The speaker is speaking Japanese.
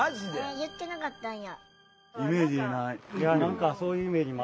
言ってなかったんや。